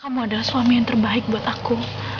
kamu adalah suami yang terbaik buat aku